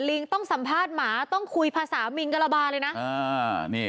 ลิงต้องสัมภาษณ์หมาต้องคุยภาษามิงกระบาเลยนะ